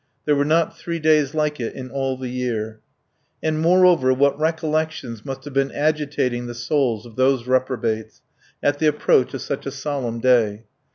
There were not three days like it in all the year. And, moreover, what recollections must have been agitating the souls of those reprobates at the approach of such a solemn day!